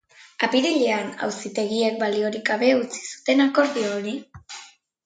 Apirilean auzitegiek baliorik gabe utzi zuten akordio hori.